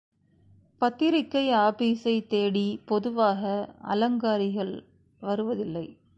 பத்திரிகை ஆபீஸைத் தேடி பொதுவாக அலங்காரிகள் வருவதில்லை.